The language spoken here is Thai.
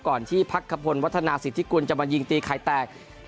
ที่พักขพลวัฒนาสิทธิกุลจะมายิงตีไข่แตก